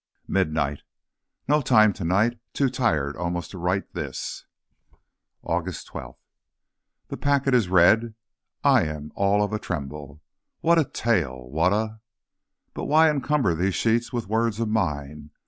MIDNIGHT. No time to night; too tired almost to write this. AUGUST 12. The packet is read. I am all of a tremble. What a tale! What a But why encumber these sheets with words of mine?